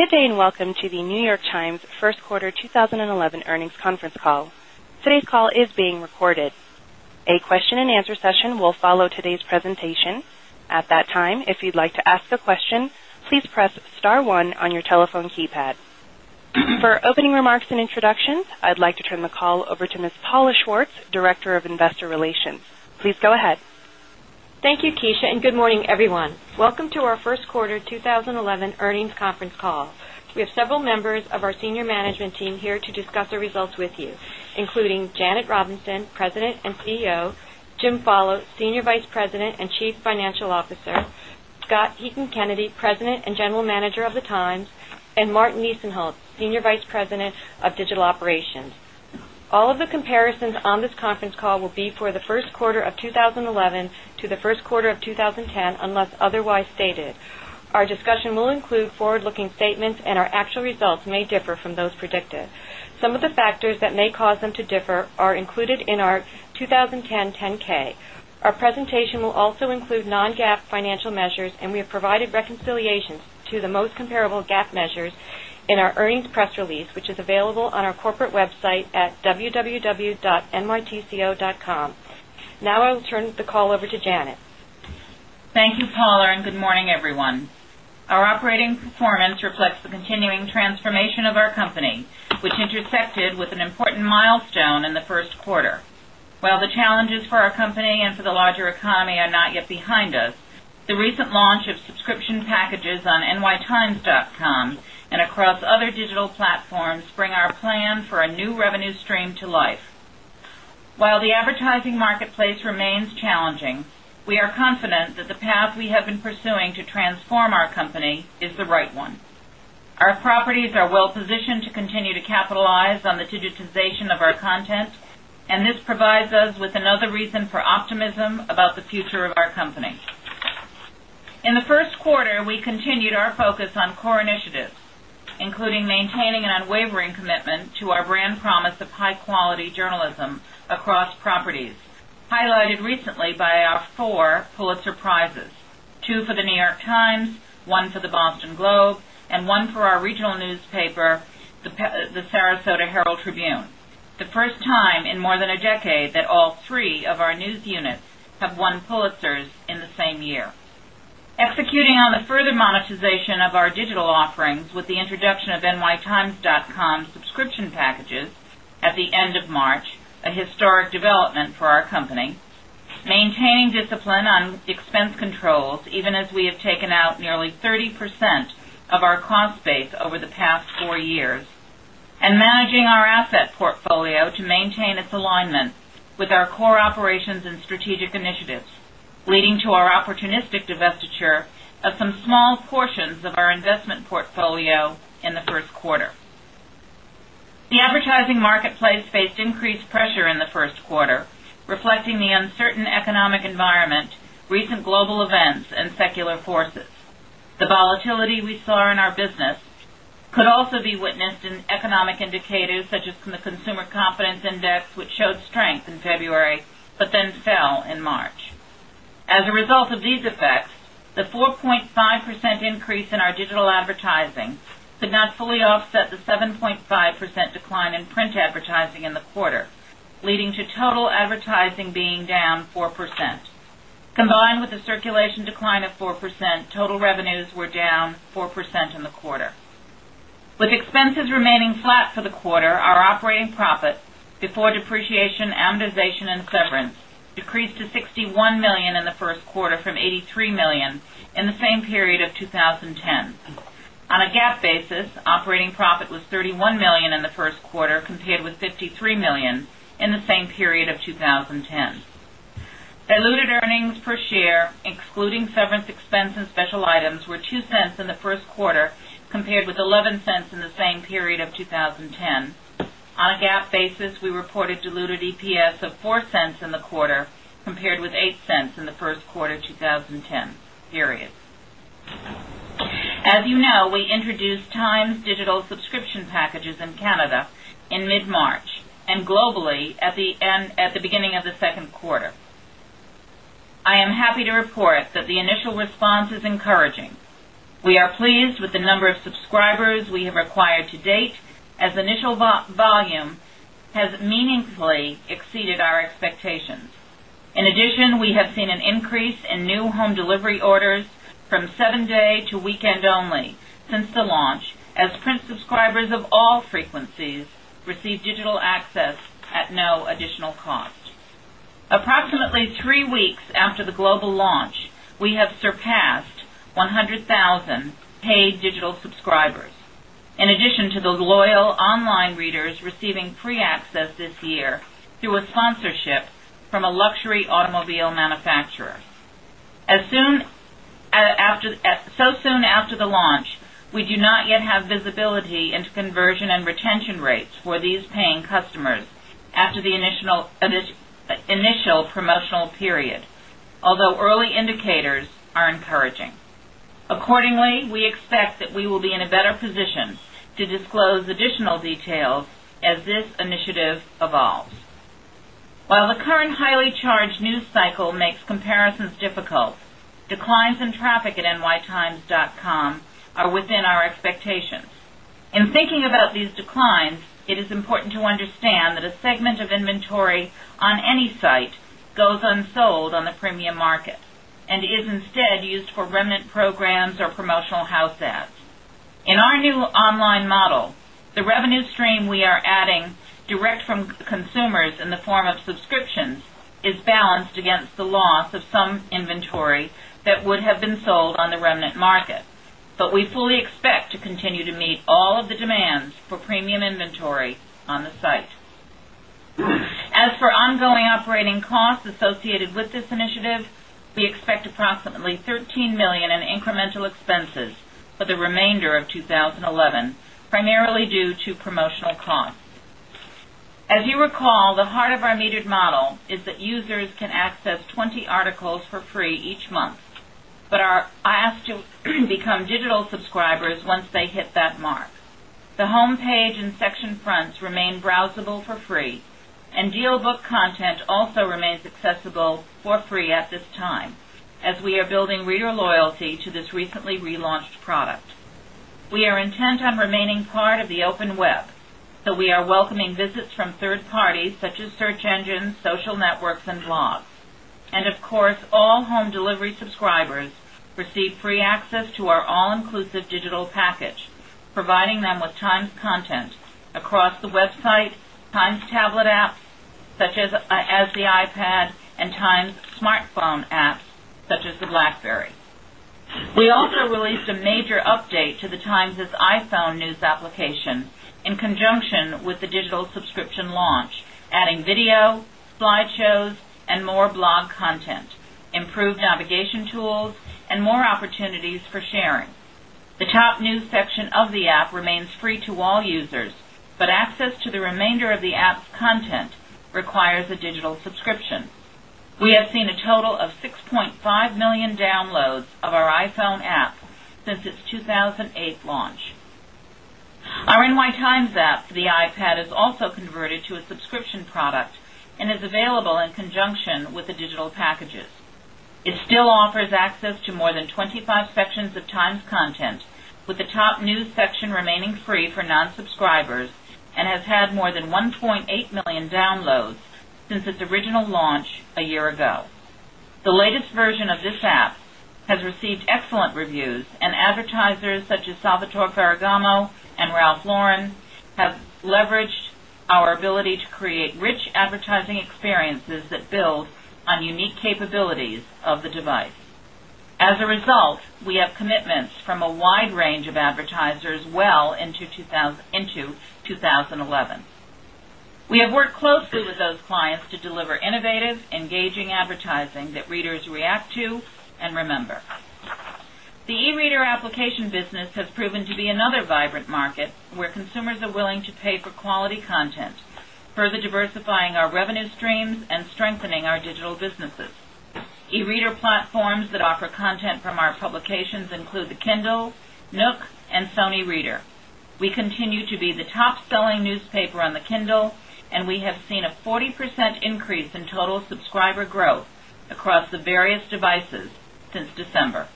Good day, and welcome to The New York Times' first quarter 2011 earnings conference call. Today's call is being recorded. A question and answer session will follow today's presentation. At that time, if you'd like to ask a question, please press star one on your telephone keypad. For opening remarks and introductions, I'd like to turn the call over to Ms. Paula Schwartz, Director of Investor Relations. Please go ahead. Thank you, Keisha, and good morning, everyone. Welcome to our first quarter 2011 earnings conference call. We have several members of our senior management team here to discuss the results with you, including Janet Robinson, President and CEO, Jim Follo, Senior Vice President and Chief Financial Officer, Scott Heekin-Canedy, President and General Manager of The Times, and Martin Nisenholtz, Senior Vice President of Digital Operations. All of the comparisons on this conference call will be for the first quarter of 2011 to the first quarter of 2010, unless otherwise stated. Our discussion will include forward-looking statements, and our actual results may differ from those predicted. Some of the factors that may cause them to differ are included in our 2010 10-K. Our presentation will also include non-GAAP financial measures, and we have provided reconciliations to the most comparable GAAP measures in our earnings press release, which is available on our corporate website at www.nytco.com. Now I will turn the call over to Janet. Thank you, Paula, and good morning, everyone. Our operating performance reflects the continuing transformation of our company, which intersected with an important milestone in the first quarter. While the challenges for our company and for the larger economy are not yet behind us, the recent launch of subscription packages on nytimes.com and across other digital platforms bring our plan for a new revenue stream to life. While the advertising marketplace remains challenging, we are confident that the path we have been pursuing to transform our company is the right one. Our properties are well positioned to continue to capitalize on the digitization of our content, and this provides us with another reason for optimism about the future of our company. In the first quarter, we continued our focus on core initiatives, including maintaining an unwavering commitment to our brand promise of high-quality journalism across properties, highlighted recently by our four Pulitzer Prizes, two for The New York Times, one for The Boston Globe, and one for our regional newspaper, the Sarasota Herald-Tribune. The first time in more than a decade that all three of our news units have won Pulitzers in the same year. Executing on the further monetization of our digital offerings with the introduction of nytimes.com subscription packages at the end of March, a historic development for our company. Maintaining discipline on expense controls, even as we have taken out nearly 30% of our cost base over the past four years. Managing our asset portfolio to maintain its alignment with our core operations and strategic initiatives, leading to our opportunistic divestiture of some small portions of our investment portfolio in the first quarter. The advertising marketplace faced increased pressure in the first quarter, reflecting the uncertain economic environment, recent global events, and secular forces. The volatility we saw in our business could also be witnessed in economic indicators such as the Consumer Confidence Index, which showed strength in February but then fell in March. As a result of these effects, the 4.5% increase in our digital advertising could not fully offset the 7.5% decline in print advertising in the quarter, leading to total advertising being down 4%. Combined with the circulation decline of 4%, total revenues were down 4% in the quarter. With expenses remaining flat for the quarter, our operating profit before depreciation, amortization, and severance decreased to $61 million in the first quarter from $83 million in the same period of 2010. On a GAAP basis, operating profit was $31 million in the first quarter, compared with $53 million in the same period of 2010. Diluted earnings per share, excluding severance expense and special items, were $0.02 in the first quarter, compared with $0.11 in the same period of 2010. On a GAAP basis, we reported diluted EPS of $0.04 in the quarter, compared with $0.08 in the first quarter of 2010. As you know, we introduced Times Digital subscription packages in Canada in mid-March and globally at the beginning of the second quarter. I am happy to report that the initial response is encouraging. We are pleased with the number of subscribers we have acquired to date, as initial volume has meaningfully exceeded our expectations. In addition, we have seen an increase in new home delivery orders from seven-day to weekend only since the launch, as print subscribers of all frequencies receive digital access at no additional cost. Approximately three weeks after the global launch, we have surpassed 100,000 paid digital subscribers, in addition to those loyal online readers receiving free access this year through a sponsorship from a luxury automobile manufacturer. Soon after the launch, we do not yet have visibility into conversion and retention rates for these paying customers after the initial promotional period. Although early indicators are encouraging. Accordingly, we expect that we will be in a better position to disclose additional details as this initiative evolves. While the current highly charged news cycle makes comparisons difficult, declines in traffic at nytimes.com are within our expectations. In thinking about these declines, it is important to understand that a segment of inventory on any site goes unsold on the premium market and is instead used for remnant programs or promotional house ads. In our new online model, the revenue stream we are adding direct from consumers in the form of subscriptions is balanced against the loss of some inventory that would have been sold on the remnant market. We fully expect to continue to meet all of the demands for premium inventory on the site. As for ongoing operating costs associated with this initiative, we expect approximately $13 million in incremental expenses for the remainder of 2011, primarily due to promotional costs. As you recall, the heart of our metered model is that users can access 20 articles for free each month, but are asked to become digital subscribers once they hit that mark. The homepage and section fronts remain browsable for free, and DealBook content also remains accessible for free at this time, as we are building reader loyalty to this recently relaunched product. We are intent on remaining part of the open web, so we are welcoming visits from third parties such as search engines, social networks, and blogs. Of course, all home delivery subscribers receive free access to our all-inclusive digital package, providing them with Times content across the website, Times tablet apps such as the iPad, and Times smartphone apps such as the BlackBerry. We also released a major update to the Times' iPhone news application in conjunction with the digital subscription launch, adding video, slideshows, and more blog content, improved navigation tools, and more opportunities for sharing. The top news section of the app remains free to all users, but access to the remainder of the app's content requires a digital subscription. We have seen a total of 6.5 million downloads of our iPhone app since its 2008 launch. Our NYTimes app for the iPad is also converted to a subscription product and is available in conjunction with the digital packages. It still offers access to more than 25 sections of Times content, with the top news section remaining free for non-subscribers, and has had more than 1.8 million downloads since its original launch a year ago. The latest version of this app has received excellent reviews, and advertisers such as Salvatore Ferragamo and Ralph Lauren have leveraged our ability to create rich advertising experiences that build on unique capabilities of the device. As a result, we have commitments from a wide range of advertisers well into 2011. We have worked closely with those clients to deliver innovative, engaging advertising that readers react to and remember. The e-reader application business has proven to be another vibrant market where consumers are willing to pay for quality content, further diversifying our revenue streams and strengthening our digital businesses. E-reader platforms that offer content from our publications include the Kindle, Nook, and Sony Reader. We continue to be the top-selling newspaper on the Kindle, and we have seen a 40% increase in total subscriber growth across the various devices since December.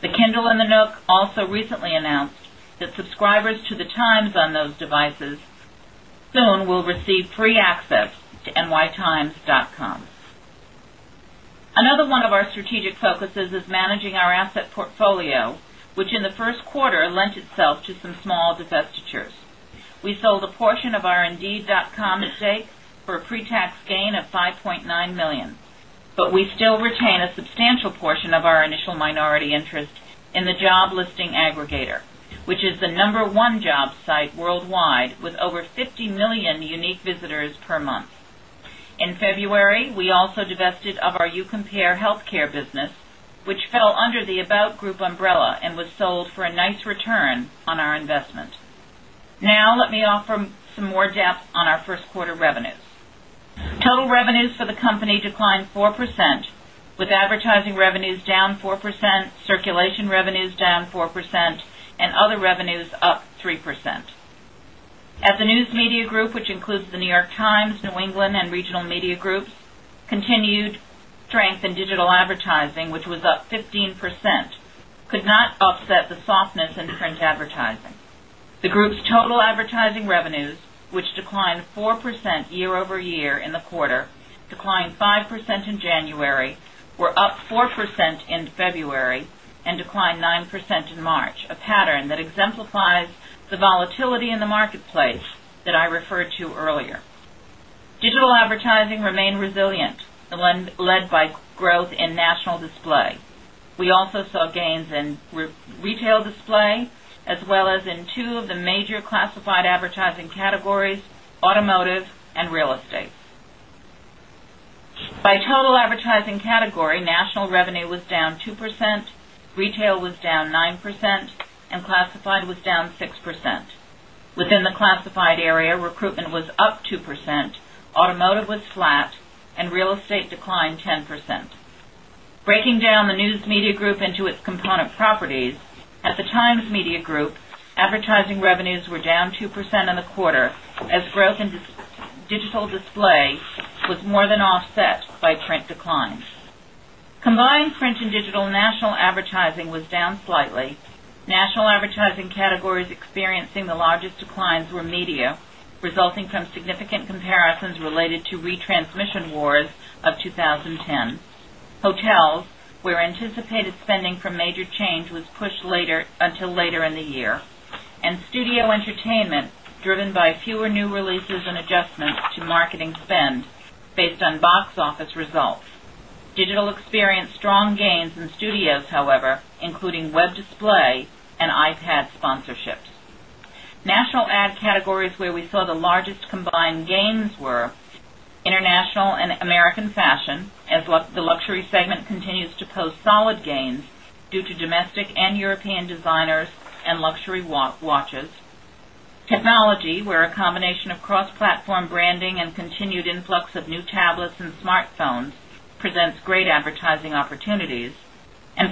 The Kindle and the Nook also recently announced that subscribers to The Times on those devices soon will receive free access to nytimes.com. Another one of our strategic focuses is managing our asset portfolio, which in the first quarter lent itself to some small divestitures. We sold a portion of our indeed.com stakes for a pre-tax gain of $5.9 million. We still retain a substantial portion of our initial minority interest in the job listing aggregator, which is the number one job site worldwide with over 50 million unique visitors per month. In February, we also divested of our UCompareHealthCare business, which fell under the About Group umbrella and was sold for a nice return on our investment. Now let me offer some more depth on our first quarter revenues. Total revenues for the company declined 4%, with advertising revenues down 4%, circulation revenues down 4%, and other revenues up 3%. At the News Media Group, which includes The New York Times, New England, and Regional Media Group's continued strength in digital advertising, which was up 15%, could not offset the softness in print advertising. The group's total advertising revenues, which declined 4% year-over-year in the quarter, declined 5% in January, were up 4% in February and declined 9% in March, a pattern that exemplifies the volatility in the marketplace that I referred to earlier. Digital advertising remained resilient, led by growth in national display. We also saw gains in retail display as well as in two of the major classified advertising categories, automotive and real estate. By total advertising category, national revenue was down 2%, retail was down 9%, and classified was down 6%. Within the classified area, recruitment was up 2%, automotive was flat, and real estate declined 10%. Breaking down the News Media Group into its component properties. At The Times Media Group, advertising revenues were down 2% in the quarter as growth in digital display was more than offset by print declines. Combined print and digital national advertising was down slightly. National advertising categories experiencing the largest declines were media, resulting from significant comparisons related to retransmission wars of 2010, hotels, where anticipated spending from major chains was pushed until later in the year, and studio entertainment, driven by fewer new releases and adjustments to marketing spend based on box office results. Digital experienced strong gains in studios, however, including web display and iPad sponsorships. National ad categories where we saw the largest combined gains were international and American fashion, as the luxury segment continues to post solid gains due to domestic and European designers and luxury watches. Technology, where a combination of cross-platform branding and continued influx of new tablets and smartphones presents great advertising opportunities.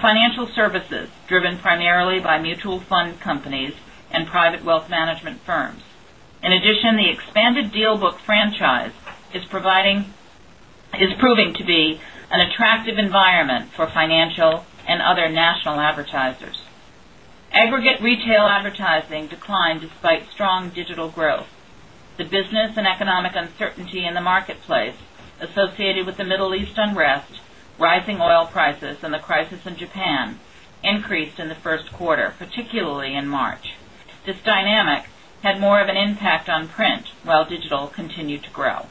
Financial services, driven primarily by mutual fund companies and private wealth management firms. In addition, the expanded DealBook franchise is proving to be an attractive environment for financial and other national advertisers. Aggregate retail advertising declined despite strong digital growth. The business and economic uncertainty in the marketplace associated with the Middle East unrest, rising oil prices, and the crisis in Japan increased in the first quarter, particularly in March. This dynamic had more of an impact on print while digital continued to grow.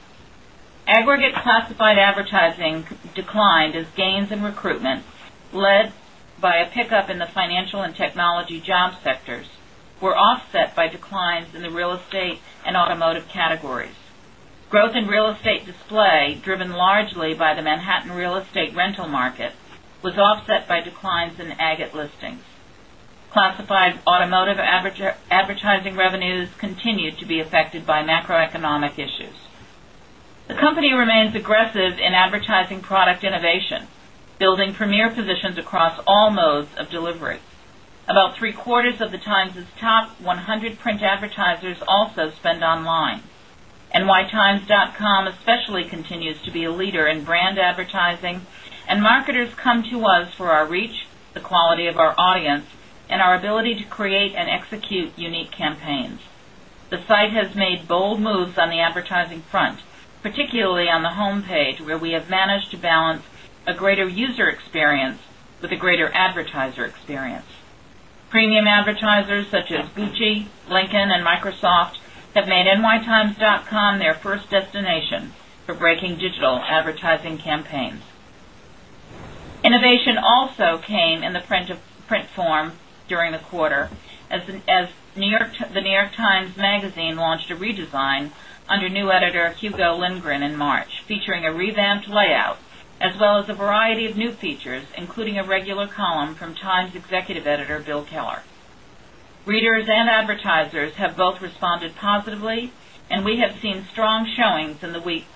Aggregate classified advertising declined as gains in recruitment, led by a pickup in the financial and technology job sectors, were offset by declines in the real estate and automotive categories. Growth in real estate display, driven largely by the Manhattan real estate rental market, was offset by declines in agate listings. Classified automotive advertising revenues continued to be affected by macroeconomic issues. The company remains aggressive in advertising product innovation, building premier positions across all modes of delivery. About three-quarters of The Times' top 100 print advertisers also spend online. nytimes.com especially continues to be a leader in brand advertising, and marketers come to us for our reach, the quality of our audience, and our ability to create and execute unique campaigns. The site has made bold moves on the advertising front, particularly on the homepage, where we have managed to balance a greater user experience with a greater advertiser experience. Premium advertisers such as Gucci, Lincoln, and Microsoft have made nytimes.com their first destination for breaking digital advertising campaigns. Innovation also came in the print form during the quarter as The New York Times Magazine launched a redesign under new editor Hugo Lindgren in March, featuring a revamped layout as well as a variety of new features, including a regular column from Times Executive Editor, Bill Keller. Readers and advertisers have both responded positively, and we have seen strong showings in the weeks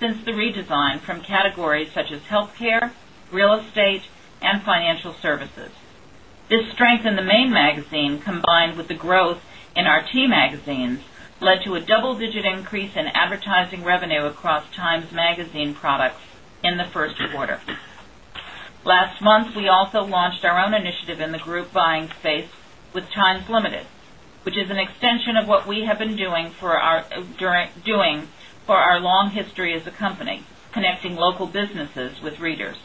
since the redesign from categories such as healthcare, real estate, and financial services. This strength in the main magazine, combined with the growth in our T magazines, led to a double-digit increase in advertising revenue across Times Magazine products in the first quarter. Last month, we also launched our own initiative in the group buying space with TimesLimited, which is an extension of what we have been doing for our long history as a company, connecting local businesses with readers.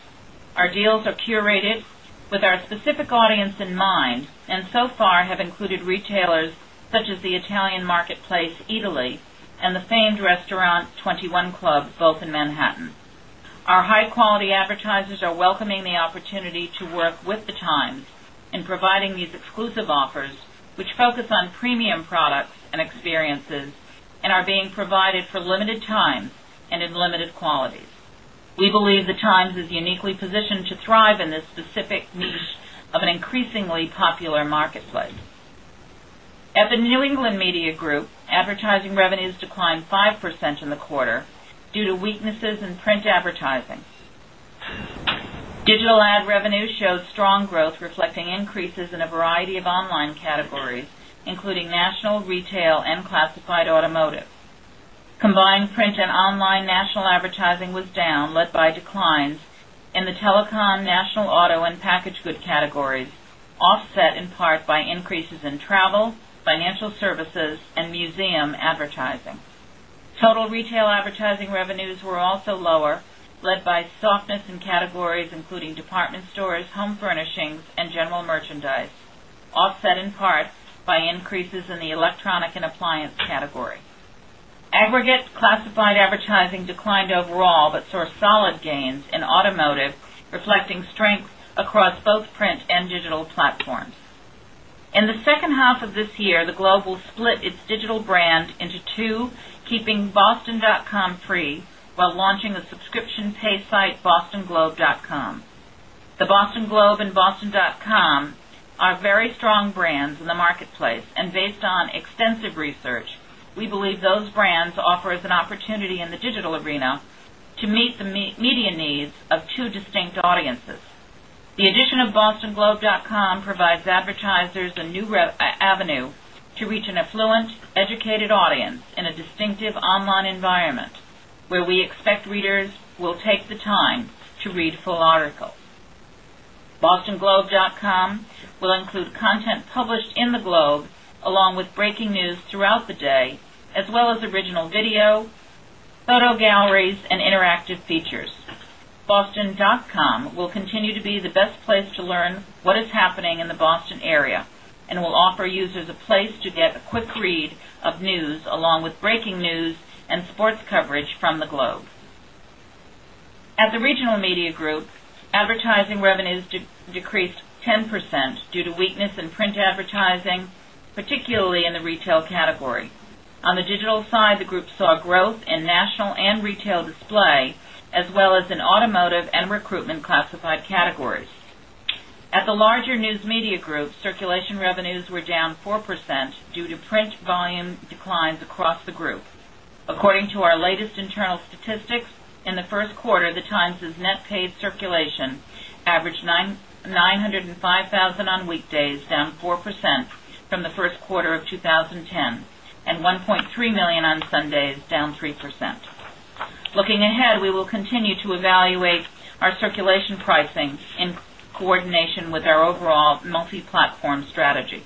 Our deals are curated with our specific audience in mind and so far have included retailers such as the Italian marketplace, Eataly, and the famed restaurant, 21 Club, both in Manhattan. Our high-quality advertisers are welcoming the opportunity to work with The Times in providing these exclusive offers, which focus on premium products and experiences and are being provided for limited time and in limited quantities. We believe The Times is uniquely positioned to thrive in this specific niche of an increasingly popular marketplace. At the New England Media Group, advertising revenues declined 5% in the quarter due to weaknesses in print advertising. Digital ad revenue showed strong growth reflecting increases in a variety of online categories, including national retail and classified automotive. Combined print and online national advertising was down, led by declines in the telecom, national auto, and package good categories, offset in part by increases in travel, financial services, and museum advertising. Total retail advertising revenues were also lower, led by softness in categories including department stores, home furnishings, and general merchandise, offset in part by increases in the electronic and appliance category. Aggregate classified advertising declined overall, but saw solid gains in automotive, reflecting strength across both print and digital platforms. In the second half of this year, The Globe will split its digital brand into two, keeping boston.com free while launching the subscription pay site bostonglobe.com. The Boston Globe and boston.com. Our very strong brands in the marketplace, and based on extensive research, we believe those brands offer us an opportunity in the digital arena to meet the media needs of two distinct audiences. The addition of bostonglobe.com provides advertisers a new avenue to reach an affluent, educated audience in a distinctive online environment, where we expect readers will take the time to read full articles. Bostonglobe.com will include content published in The Globe, along with breaking news throughout the day, as well as original video, photo galleries, and interactive features. boston.com will continue to be the best place to learn what is happening in the Boston area and will offer users a place to get a quick read of news along with breaking news and sports coverage from The Globe. At the Regional Media Group, advertising revenues decreased 10% due to weakness in print advertising, particularly in the retail category. On the digital side, the group saw growth in national and retail display, as well as in automotive and recruitment classified categories. At the larger News Media Group, circulation revenues were down 4% due to print volume declines across the group. According to our latest internal statistics, in the first quarter, The Times' net paid circulation averaged 905,000 on weekdays, down 4% from the first quarter of 2010, and 1.3 million on Sundays, down 3%. Looking ahead, we will continue to evaluate our circulation pricing in coordination with our overall multi-platform strategy.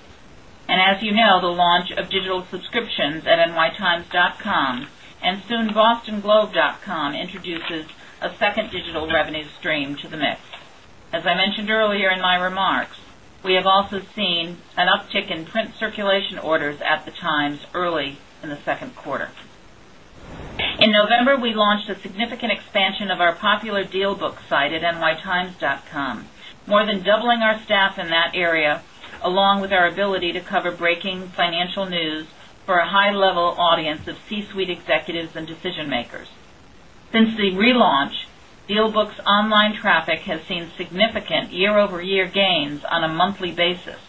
As you know, the launch of digital subscriptions at nytimes.com and soon bostonglobe.com introduces a second digital revenue stream to the mix. As I mentioned earlier in my remarks, we have also seen an uptick in print circulation orders at The Times early in the second quarter. In November, we launched a significant expansion of our popular DealBook site at nytimes.com, more than doubling our staff in that area, along with our ability to cover breaking financial news for a high-level audience of C-suite executives and decision-makers. Since the relaunch, DealBook's online traffic has seen significant year-over-year gains on a monthly basis.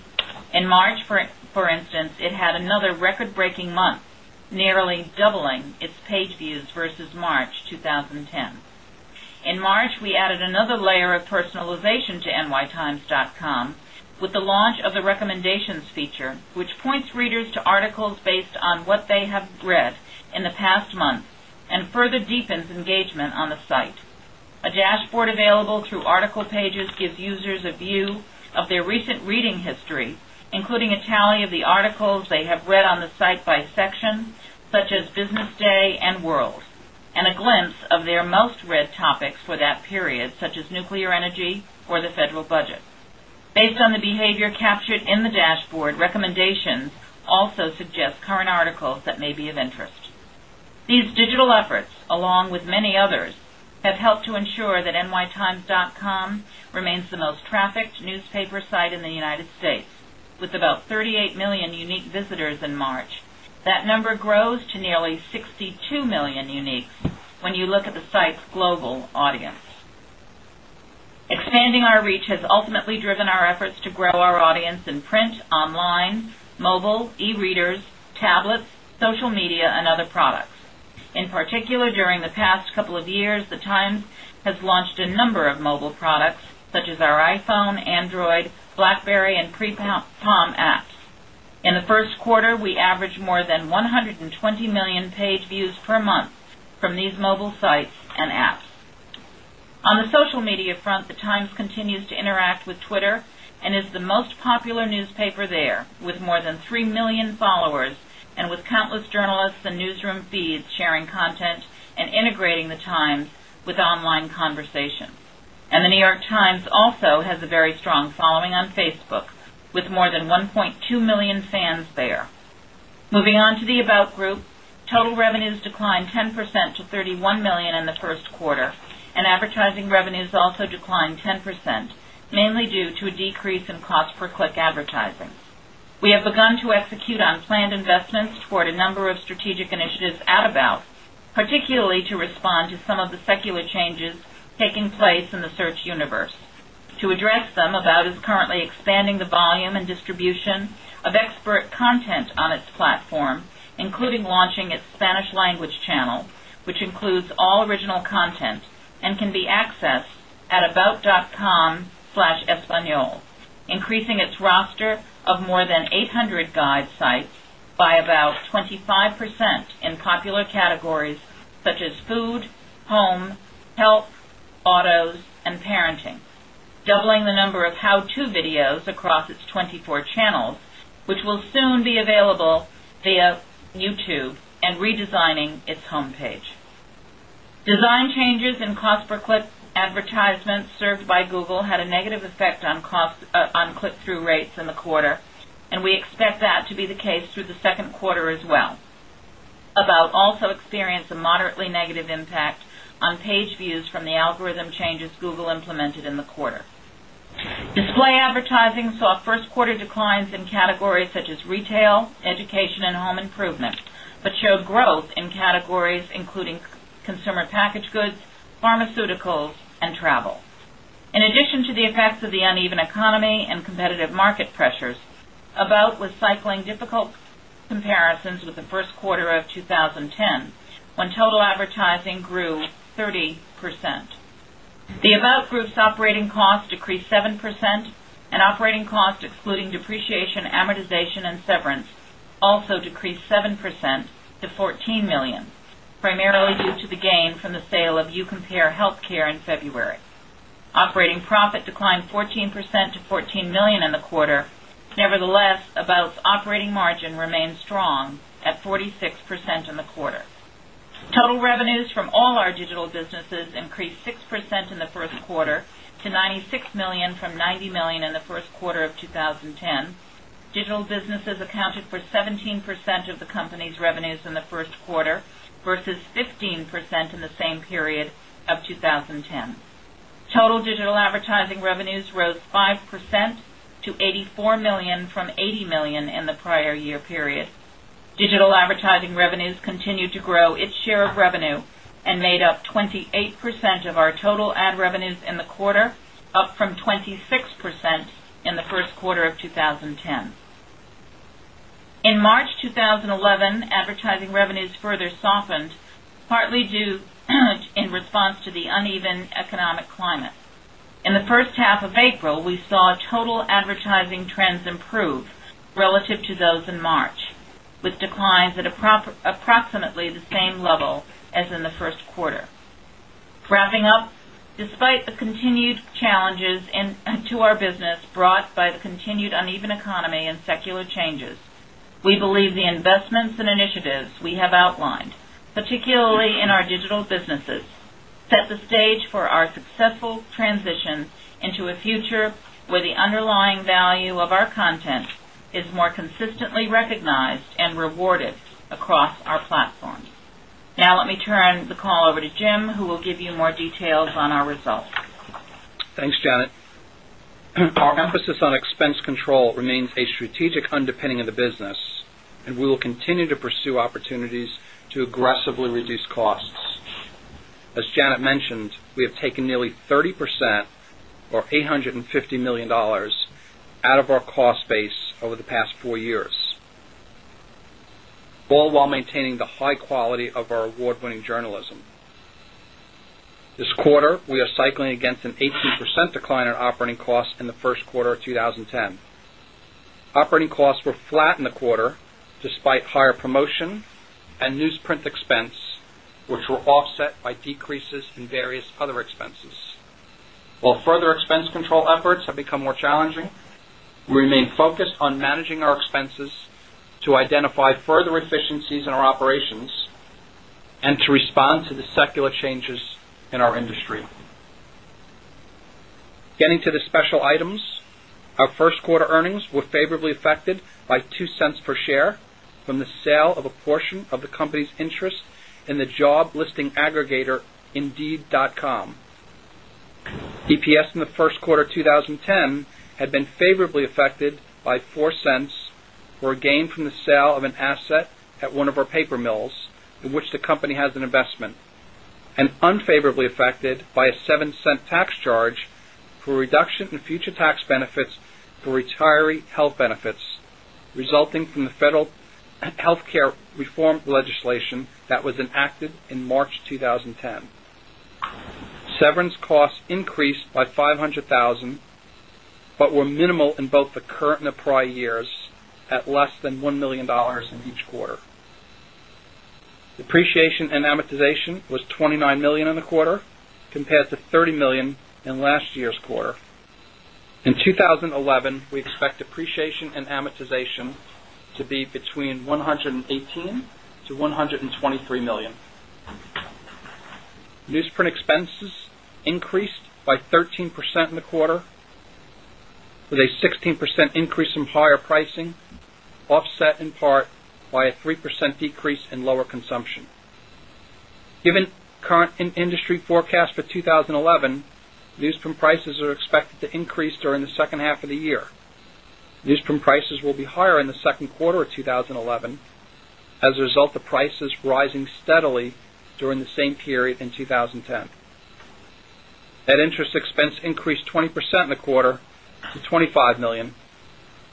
In March, for instance, it had another record-breaking month, nearly doubling its page views versus March 2010. In March, we added another layer of personalization to nytimes.com with the launch of the Recommendations feature, which points readers to articles based on what they have read in the past month and further deepens engagement on the site. A dashboard available through article pages gives users a view of their recent reading history, including a tally of the articles they have read on the site by section, such as Business Day and World, and a glimpse of their most-read topics for that period, such as nuclear energy or the federal budget. Based on the behavior captured in the dashboard, Recommendations also suggests current articles that may be of interest. These digital efforts, along with many others, have helped to ensure that nytimes.com remains the most trafficked newspaper site in the United States, with about 38 million unique visitors in March. That number grows to nearly 62 million uniques when you look at the site's global audience. Expanding our reach has ultimately driven our efforts to grow our audience in print, online, mobile, e-readers, tablets, social media, and other products. In particular, during the past couple of years, The Times has launched a number of mobile products, such as our iPhone, Android, BlackBerry, and Palm apps. In the first quarter, we averaged more than 120 million page views per month from these mobile sites and apps. On the social media front, The Times continues to interact with Twitter and is the most popular newspaper there, with more than 3 million followers and with countless journalists and newsroom feeds sharing content and integrating The Times with online conversations. The New York Times also has a very strong following on Facebook, with more than 1.2 million fans there. Moving on to the About Group, total revenues declined 10% to $31 million in the first quarter, and advertising revenues also declined 10%, mainly due to a decrease in cost-per-click advertising. We have begun to execute on planned investments toward a number of strategic initiatives at About, particularly to respond to some of the secular changes taking place in the search universe. To address them, About is currently expanding the volume and distribution of expert content on its platform, including launching its Spanish language channel, which includes all original content and can be accessed at about.com/espanol, increasing its roster of more than 800 guide sites by about 25% in popular categories such as food, home, health, autos, and parenting, doubling the number of how-to videos across its 24 channels, which will soon be available via YouTube, and redesigning its homepage. Design changes in cost-per-click advertisements served by Google had a negative effect on click-through rates in the quarter, and we expect that to be the case through the second quarter as well. About also experienced a moderately negative impact on page views from the algorithm changes Google implemented in the quarter. Display advertising saw first-quarter declines in categories such as retail, education, and home improvement. Showed growth in categories including consumer packaged goods, pharmaceuticals, and travel. In addition to the effects of the uneven economy and competitive market pressures, About was cycling difficult comparisons with the first quarter of 2010, when total advertising grew 30%. The About Group's operating cost decreased 7%, and operating cost excluding depreciation, amortization, and severance also decreased 7% to $14 million, primarily due to the gain from the sale of UCompareHealthCare in February. Operating profit declined 14% to $14 million in the quarter. Nevertheless, About's operating margin remained strong at 46% in the quarter. Total revenues from all our digital businesses increased 6% in the first quarter to $96 million from $90 million in the first quarter of 2010. Digital businesses accounted for 17% of the company's revenues in the first quarter versus 15% in the same period of 2010. Total digital advertising revenues rose 5% to $84 million from $80 million in the prior year period. Digital advertising revenues continued to grow its share of revenue and made up 28% of our total ad revenues in the quarter, up from 26% in the first quarter of 2010. In March 2011, advertising revenues further softened, partly due in response to the uneven economic climate. In the first half of April, we saw total advertising trends improve relative to those in March, with declines at approximately the same level as in the first quarter. Wrapping up, despite the continued challenges to our business brought by the continued uneven economy and secular changes, we believe the investments and initiatives we have outlined, particularly in our digital businesses, set the stage for our successful transition into a future where the underlying value of our content is more consistently recognized and rewarded across our platforms. Now let me turn the call over to Jim, who will give you more details on our results. Thanks, Janet. Our emphasis on expense control remains a strategic underpinning of the business, and we will continue to pursue opportunities to aggressively reduce costs. As Janet mentioned, we have taken nearly 30%, or $850 million, out of our cost base over the past four years, all while maintaining the high quality of our award-winning journalism. This quarter, we are cycling against an 18% decline in operating costs in the first quarter of 2010. Operating costs were flat in the quarter despite higher promotion and newsprint expense, which were offset by decreases in various other expenses. While further expense control efforts have become more challenging, we remain focused on managing our expenses to identify further efficiencies in our operations and to respond to the secular changes in our industry. Getting to the special items. Our first quarter earnings were favorably affected by $0.02 Per share from the sale of a portion of the company's interest in the job listing aggregator indeed.com. EPS in the first quarter 2010 had been favorably affected by $0.04 cents for a gain from the sale of an asset at one of our paper mills, in which the company has an investment, and unfavorably affected by a $0.07 Tax charge for a reduction in future tax benefits for retiree health benefits, resulting from the federal healthcare reform legislation that was enacted in March 2010. Severance costs increased by $500,000 but were minimal in both the current and the prior years at less than $1 million in each quarter. Depreciation and amortization was $29 million in the quarter, compared to $30 million in last year's quarter. In 2011, we expect depreciation and amortization to be $118 million-$123 million. Newsprint expenses increased by 13% in the quarter with a 16% increase in higher pricing, offset in part by a 3% decrease in lower consumption. Given current industry forecast for 2011, newsprint prices are expected to increase during the second half of the year. Newsprint prices will be higher in the second quarter of 2011 as a result of prices rising steadily during the same period in 2010. Net interest expense increased 20% in the quarter to $25 million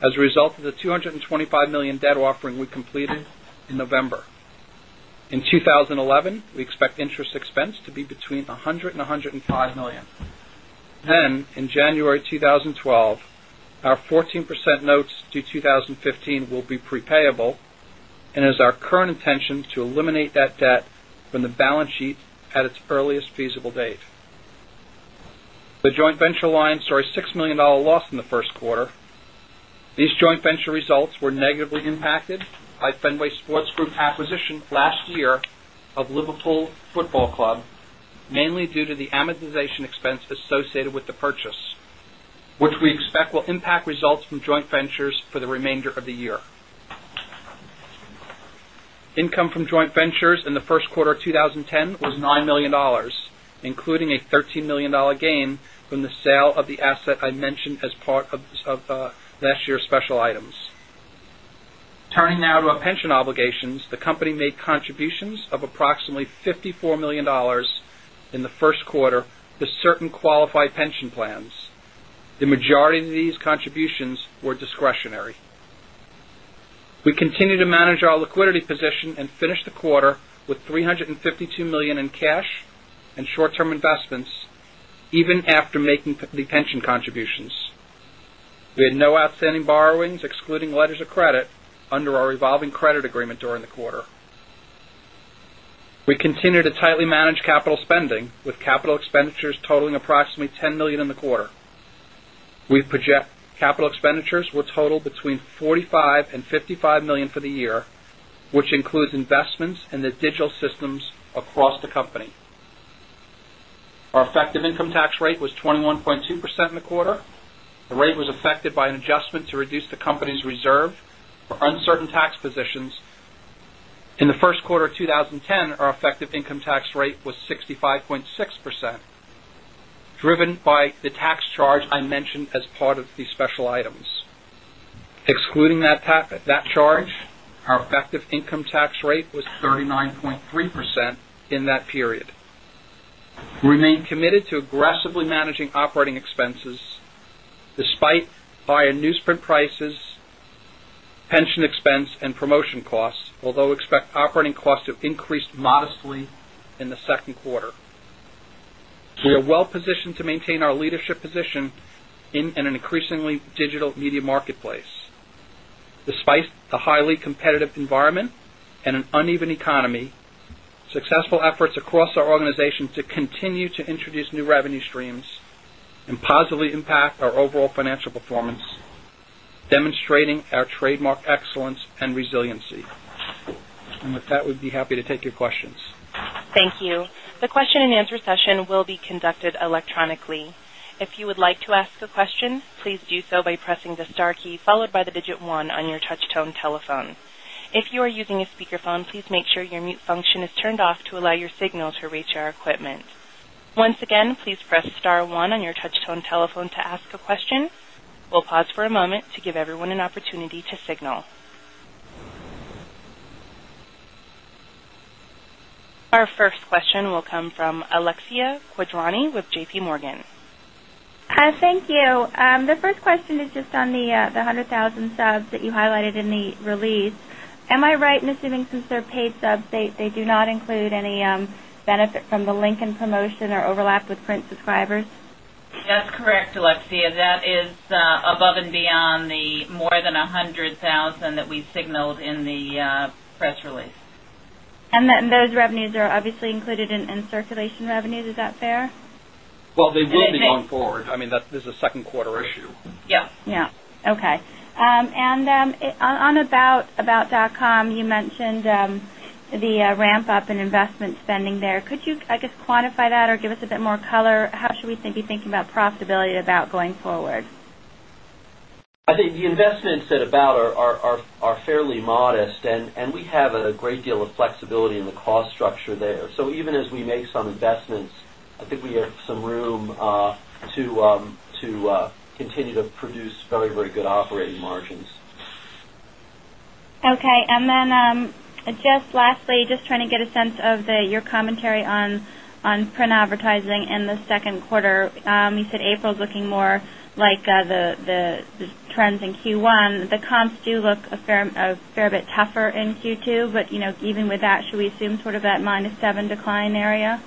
as a result of the $225 million debt offering we completed in November. In 2011, we expect interest expense to be between $100 million and $105 million. In January 2012, our 14% notes due 2015 will be pre-payable, and it is our current intention to eliminate that debt from the balance sheet at its earliest feasible date. The joint venture line saw a $6 million loss in the first quarter. These joint venture results were negatively impacted by Fenway Sports Group acquisition last year of Liverpool Football Club, mainly due to the amortization expense associated with the purchase, which we expect will impact results from joint ventures for the remainder of the year. Income from joint ventures in the first quarter of 2010 was $9 million, including a $13 million gain from the sale of the asset I mentioned as part of last year's special items. Turning now to our pension obligations, the company made contributions of approximately $54 million in the first quarter to certain qualified pension plans. The majority of these contributions were discretionary. We continue to manage our liquidity position and finish the quarter with $352 million in cash and short-term investments, even after making the pension contributions. We had no outstanding borrowings, excluding letters of credit, under our revolving credit agreement during the quarter. We continue to tightly manage capital spending, with capital expenditures totaling approximately $10 million in the quarter. We project capital expenditures will total between $45 million and $55 million for the year, which includes investments in the digital systems across the company. Our effective income tax rate was 21.2% in the quarter. The rate was affected by an adjustment to reduce the company's reserve for uncertain tax positions. In the first quarter of 2010, our effective income tax rate was 65.6%, driven by the tax charge I mentioned as part of the special items. Excluding that charge, our effective income tax rate was 39.3% in that period. We remain committed to aggressively managing operating expenses, despite higher newsprint prices, pension expense, and promotion costs, although we expect operating costs to increase modestly in the second quarter. We are well positioned to maintain our leadership position in an increasingly digital media marketplace, despite the highly competitive environment and an uneven economy, with successful efforts across our organization to continue to introduce new revenue streams and positively impact our overall financial performance, demonstrating our trademark excellence and resiliency. With that, we'd be happy to take your questions. Thank you. The question-and-answer session will be conducted electronically. If you would like to ask a question, please do so by pressing the star key, followed by the digit one on your touchtone telephone. If you are using a speakerphone, please make sure your mute function is turned off to allow your signal to reach our equipment. Once again, please press star one on your touchtone telephone to ask a question. We'll pause for a moment to give everyone an opportunity to signal. Our first question will come from Alexia Quadrani with JPMorgan. Thank you. The first question is just on the 100,000 subs that you highlighted in the release. Am I right in assuming since they're paid subs, they do not include any benefit from the Lincoln promotion or overlap with print subscribers? That's correct, Alexia. That is above and beyond the more than 100,000 that we signaled in the press release. Those revenues are obviously included in circulation revenues. Is that fair? Well, they will be going forward. This is a second quarter issue. Yes. Yeah. Okay. On about.com, you mentioned the ramp-up in investment spending there. Could you, I guess, quantify that or give us a bit more color? How should we be thinking about profitability of About going forward? I think the investments at About are fairly modest, and we have a great deal of flexibility in the cost structure there. Even as we make some investments, I think we have some room to continue to produce very good operating margins. Okay. Just lastly, just trying to get a sense of your commentary on print advertising in the second quarter. You said April's looking more like the trends in Q1. The comps do look a fair bit tougher in Q2, but even with that, should we assume sort of that minus sevem decline area?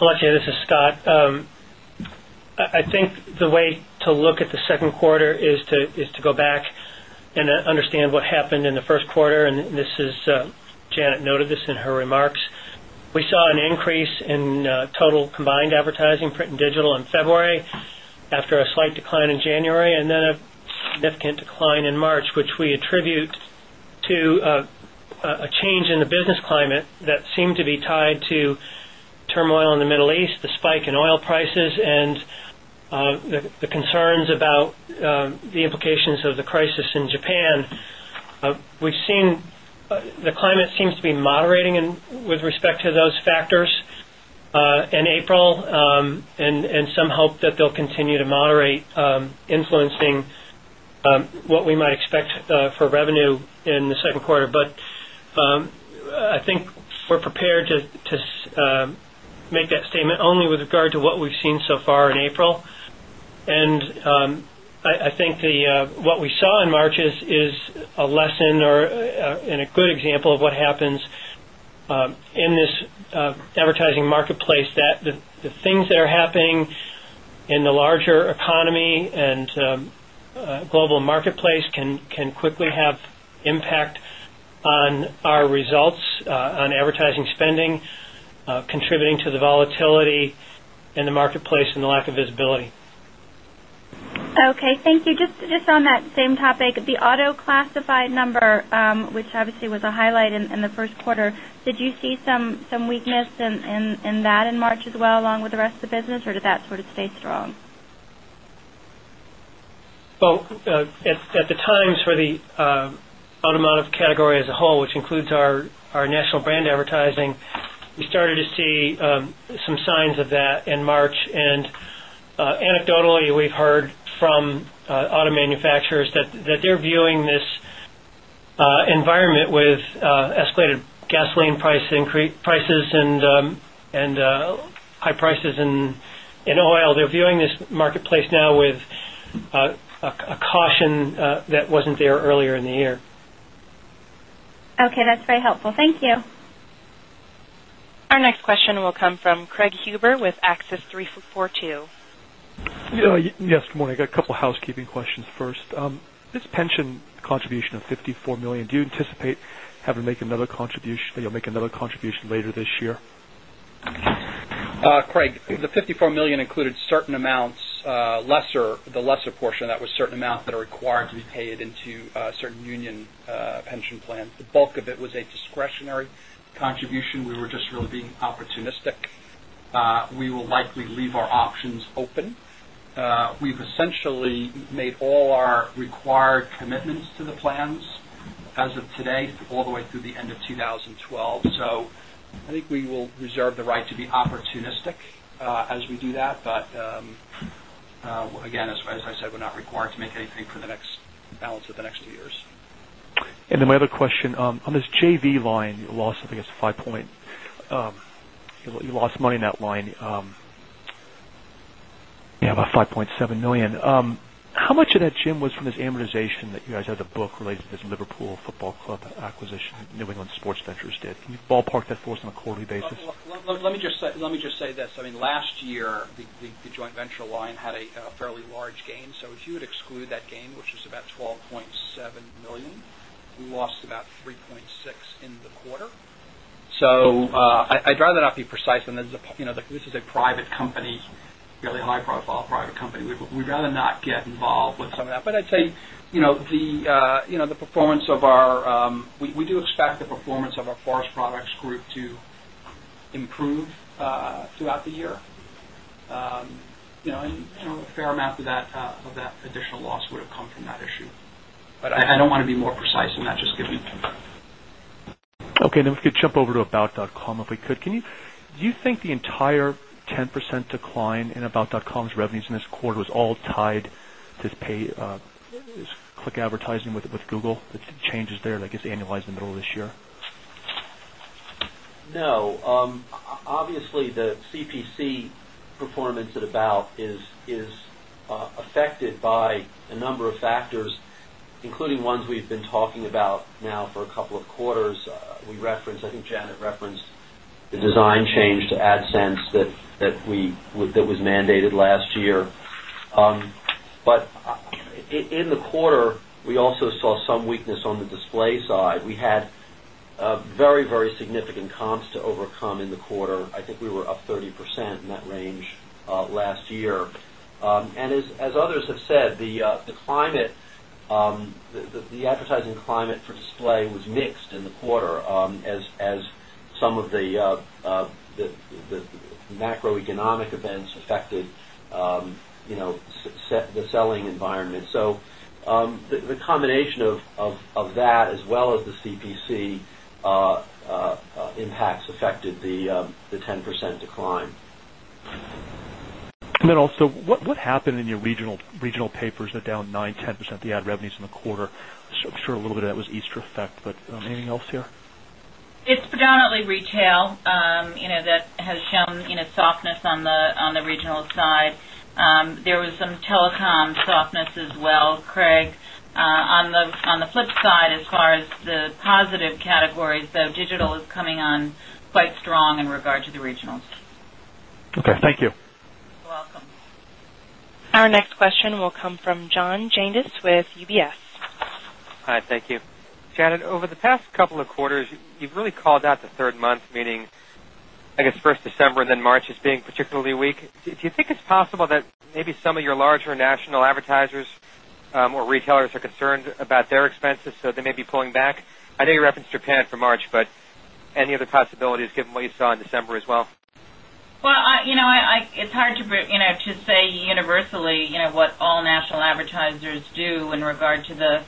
Alexia, this is Scott. I think the way to look at the second quarter is to go back and understand what happened in the first quarter, and Janet noted this in her remarks. We saw an increase in total combined advertising, print and digital, in February after a slight decline in January, and then a significant decline in March, which we attribute to a change in the business climate that seemed to be tied to turmoil in the Middle East, the spike in oil prices, and the concerns about the implications of the crisis in Japan. The climate seems to be moderating with respect to those factors in April, and some hope that they'll continue to moderate, influencing what we might expect for revenue in the second quarter. I think we're prepared to make that statement only with regard to what we've seen so far in April. I think what we saw in March is a lesson, and a good example of what happens in this advertising marketplace, that the things that are happening in the larger economy and global marketplace can quickly have impact on our results on advertising spending, contributing to the volatility in the marketplace and the lack of visibility. Okay, thank you. Just on that same topic, the auto classified number, which obviously was a highlight in the first quarter, did you see some weakness in that in March as well, along with the rest of the business, or did that sort of stay strong? Well, at The Times for the automotive category as a whole, which includes our national brand advertising, we started to see some signs of that in March, and anecdotally, we've heard from auto manufacturers that they're viewing this environment with escalating gasoline prices and high oil prices. They're viewing this marketplace now with a caution that wasn't there earlier in the year. Okay. That's very helpful. Thank you. Our next question will come from Craig Huber with Gabelli & Company. Yes. Good morning. I got a couple housekeeping questions first. This pension contribution of $54 million, do you anticipate that you'll make another contribution later this year? Craig, the $54 million included certain amounts, the lesser portion of that was certain amounts that are required to be paid into certain union pension plans. The bulk of it was a discretionary contribution. We were just really being opportunistic. We will likely leave our options open. We've essentially made all our required commitments to the plans as of today all the way through the end of 2012. I think we will reserve the right to be opportunistic as we do that. Again, as I said, we're not required to make anything for the balance of the next two years. My other question, on this JV line, you lost money in that line. Yeah, about $5.7 million. How much of that, Jim, was from this amortization that you guys had to book related to this Liverpool Football Club acquisition that New England Sports Ventures did? Can you ballpark that for us on a quarterly basis? Let me just say this. Last year, the joint venture line had a fairly large gain. If you had excluded that gain, which is about $12.7 million, we lost about $3.6 million in the quarter. I'd rather not be precise. This is a private company, fairly high-profile private company. We'd rather not get involved with some of that. I'd say, we do expect the performance of our forest products group to improve throughout the year. A fair amount of that additional loss would've come from that issue. I don't want to be more precise than that, just given. Okay. Now if we could jump over to about.com. Do you think the entire 10% decline in about.com's revenues in this quarter was all tied to this pay-per-click advertising with Google, the changes there that gets annualized in the middle of this year? No. Obviously, the CPC performance at About is affected by a number of factors, including ones we've been talking about now for a couple of quarters. I think Janet referenced the design change to AdSense that was mandated last year. In the quarter, we also saw some weakness on the display side. We had very significant comps to overcome in the quarter. I think we were up 30% in that range last year. As others have said, the advertising climate for display was mixed in the quarter as some of the macroeconomic events affected the selling environment. The combination of that as well as the CPC impacts affected the 10% decline. also, what happened in your regional papers that are down 9%, 10% in the ad revenues in the quarter? I'm sure a little bit of that was Easter effect, but anything else here? It's predominantly retail that has shown softness on the regional side. There was some telecom softness as well, Craig. On the flip side, as far as the positive categories, though, digital is coming on quite strong in regard to the regionals. Okay. Thank you. You're welcome. Our next question will come from John Janedis with UBS. Hi, thank you. Janet, over the past couple of quarters, you've really called out the third month, meaning, I guess first December, then March as being particularly weak. Do you think it's possible that maybe some of your larger national advertisers or retailers are concerned about their expenses so they may be pulling back? I know you referenced Japan for March, but any other possibilities given what you saw in December as well? Well, it's hard to say universally what all national advertisers do in regard to the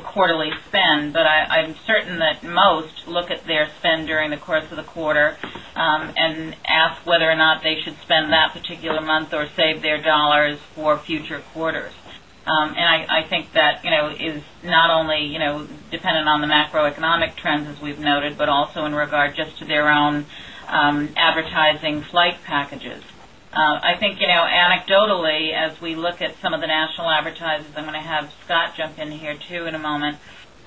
quarterly spend. I'm certain that most look at their spend during the course of the quarter and ask whether or not they should spend that particular month or save their dollars for future quarters. I think that is not only dependent on the macroeconomic trends as we've noted, but also in regard just to their own advertising flight packages. I think anecdotally, as we look at some of the national advertisers, I'm going to have Scott jump in here too in a moment.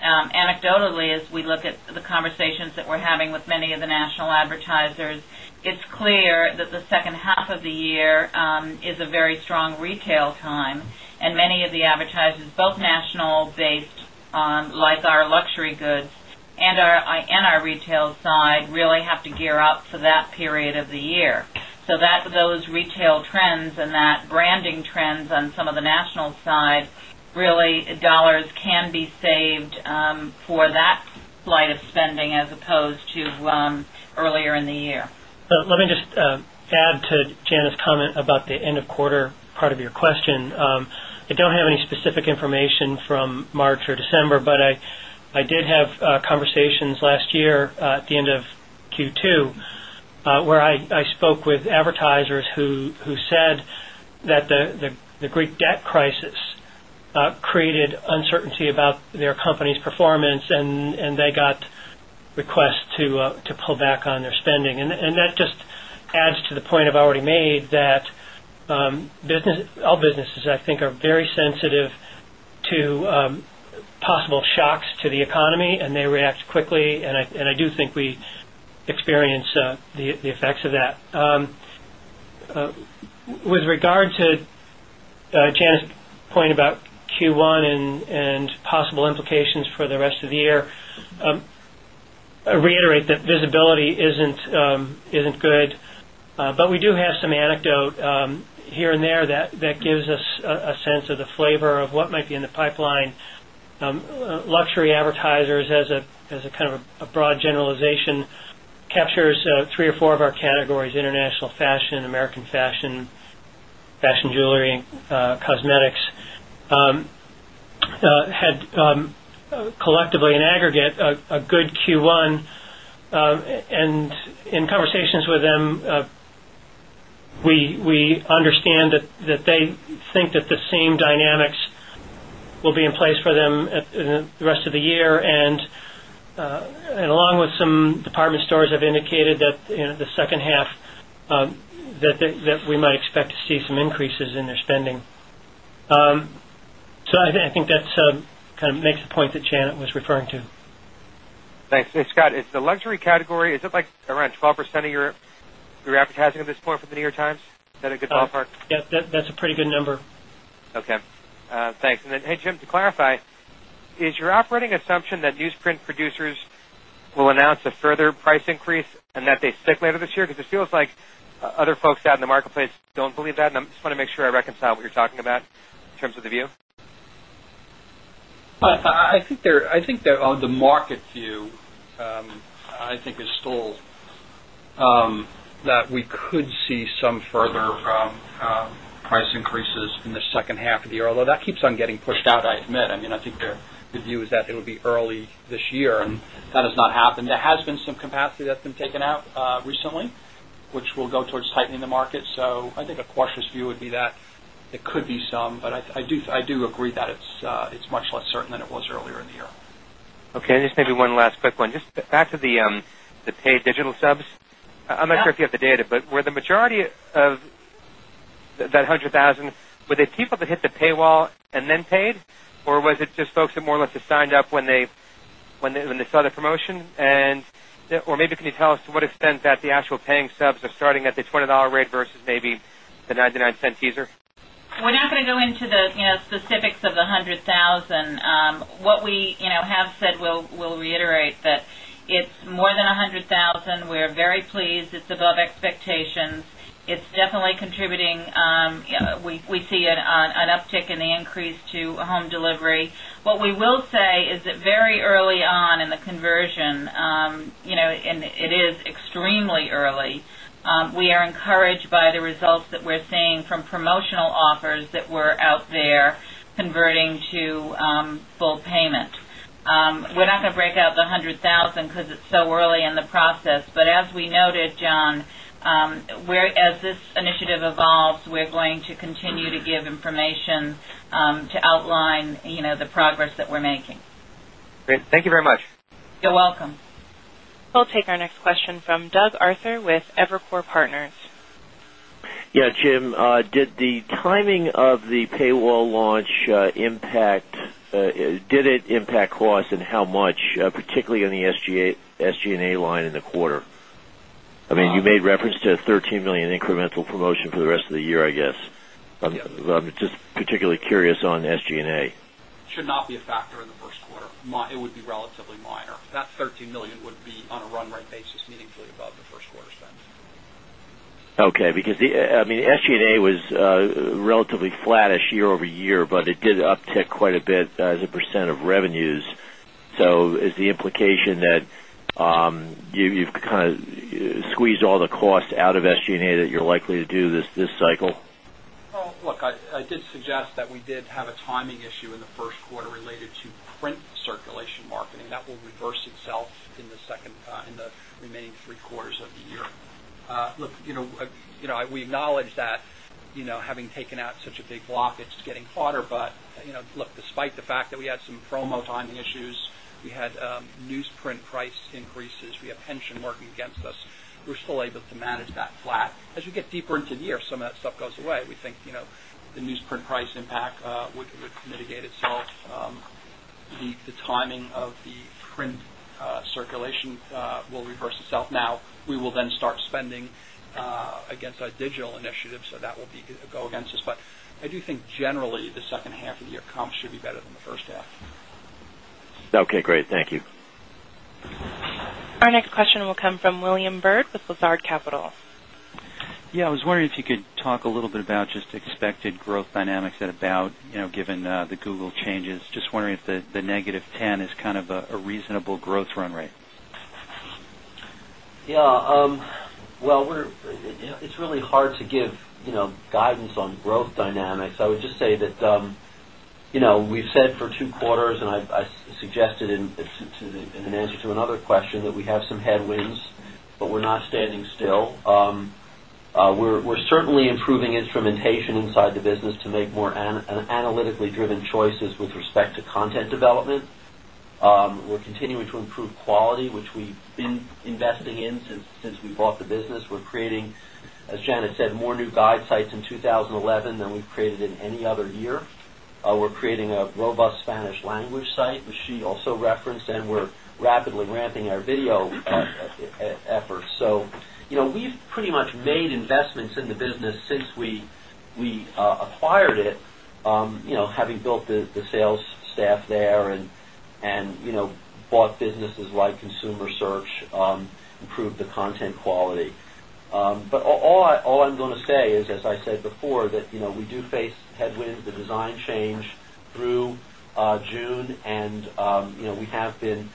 Anecdotally, as we look at the conversations that we're having with many of the national advertisers, it's clear that the second half of the year is a very strong retail time, and many of the advertisers, both national-based, like our luxury goods and our retail side, really have to gear up for that period of the year. Those retail trends and that branding trends on some of the national side, really dollars can be saved for that flight of spending as opposed to earlier in the year. Let me just add to Janet's comment about the end of quarter part of your question. I don't have any specific information from March or December, but I did have conversations last year at the end of Q2, where I spoke with advertisers who said that the Greek debt crisis created uncertainty about their company's performance, and they got requests to pull back on their spending. That just adds to the point I've already made, that all businesses, I think, are very sensitive to possible shocks to the economy, and they react quickly. I do think we experience the effects of that. With regard to Janet's point about Q1 and possible implications for the rest of the year, I reiterate that visibility isn't good. We do have some anecdotes here and there that gives us a sense of the flavor of what might be in the pipeline. Luxury advertisers, as a kind of a broad generalization, captures three or four of our categories, international fashion, American fashion jewelry, cosmetics, had collectively in aggregate, a good Q1. In conversations with them, we understand that they think that the same dynamics will be in place for them the rest of the year. Along with some department stores have indicated that the second half, that we might expect to see some increases in their spending. I think that kind of makes the point that Janet was referring to. Thanks. Hey, Scott, is the luxury category, is it around 12% of your advertising at this point for The New York Times? Is that a good ballpark? Yes. That's a pretty good number. Okay. Thanks. Hey, Jim, to clarify, is your operating assumption that newsprint producers will announce a further price increase and that they stick later this year? Because it feels like other folks out in the marketplace don't believe that, and I just want to make sure I reconcile what you're talking about in terms of the view. I think the market view is still that we could see some further price increases in the second half of the year, although that keeps on getting pushed out, I admit. I think the view is that it would be early this year, and that has not happened. There has been some capacity that's been taken out recently, which will go towards tightening the market. I think a cautious view would be that it could be some, but I do agree that it's much less certain than it was earlier in the year. Okay. Just maybe one last quick one. Just back to the paid digital subs. Yeah. I'm not sure if you have the data, but were the majority of that 100,000, were they people that hit the paywall and then paid, or was it just folks that more or less just signed up when they saw the promotion? Or maybe can you tell us to what extent that the actual paying subs are starting at the $20 rate versus maybe the $0.99 teaser? We're not going to go into the specifics of the 100,000. What we have said, we'll reiterate, that it's more than 100,000. We're very pleased. It's above expectations. It's definitely contributing. We see an uptick in the increase to home delivery. What we will say is that very early on in the conversion, and it is extremely early, we are encouraged by the results that we're seeing from promotional offers that were out there converting to full payment. We're not going to break out the 100,000 because it's so early in the process. As we noted, John, as this initiative evolves, we're going to continue to give information to outline the progress that we're making. Great. Thank you very much. You're welcome. We'll take our next question from Doug Arthur with Evercore Partners. Yeah, Jim, did the timing of the paywall launch, did it impact cost and how much, particularly in the SG&A line in the quarter? You made reference to $13 million incremental promotion for the rest of the year, I guess. I'm just particularly curious on SG&A. Should not be a factor in the first quarter. It would be relatively minor. That $13 million would be on a run-rate basis meaningfully above the first quarter spend. Okay. Because the SG&A was relatively flattish year-over-year, but it did uptick quite a bit as a percent of revenues. Is the implication that you've kind of squeezed all the cost out of SG&A that you're likely to do this cycle? Look, I did suggest that we did have a timing issue in the first quarter related to print circulation marketing. That will reverse itself in the remaining three quarters of the year. Look, we acknowledge that having taken out such a big block, it's getting harder. Look, despite the fact that we had some promo timing issues, we had newsprint price increases, we have pension working against us. We're still able to manage that flat. As we get deeper into the year, some of that stuff goes away. We think, the newsprint price impact would mitigate itself. The timing of the print circulation will reverse itself now. We will then start spending against our digital initiative, so that will go against us. I do think generally, the second half of the year comps should be better than the first half. Okay, great. Thank you. Our next question will come from William Bird with Lazard Capital. Yeah. I was wondering if you could talk a little bit about just expected growth dynamics at About, given the Google changes. Just wondering if the -10% is kind of a reasonable growth run rate. Yeah. Well, it's really hard to give guidance on growth dynamics. I would just say that we've said for two quarters, and I suggested in an answer to another question, that we have some headwinds, but we're not standing still. We're certainly improving instrumentation inside the business to make more analytically driven choices with respect to content development. We're continuing to improve quality, which we've been investing in since we bought the business. We're creating, as Janet said, more new guide sites in 2011 than we've created in any other year. We're creating a robust Spanish language site, which she also referenced, and we're rapidly ramping our video efforts. We've pretty much made investments in the business since we acquired it. Having built the sales staff there and bought businesses like ConsumerSearch, improved the content quality. All I'm going to say is, as I said before, that we do face headwinds. The decline through June, and we have been